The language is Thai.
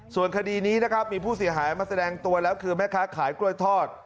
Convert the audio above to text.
ส่วนคดีนี้นะครับมีผู้เสียหายมาแสดงตัวแล้วคือแม่ค้าขายกล้วยทอด